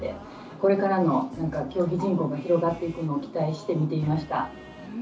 これからの競技人口が広がっていくのを期待して見ていました。